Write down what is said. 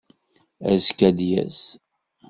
Azekka ad d-yas.